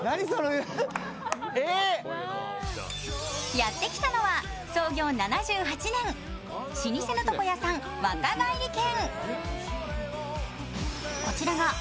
やってきたのは、創業７８年、老舗の床屋さん、若返り軒。